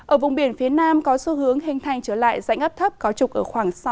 ở vùng biển phía nam có xu hướng hình thành trở lại dạnh ấp thấp có trục ở khoảng